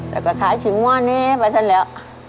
แล้วก็ขายถึงว่านี้ไปซักแล้ว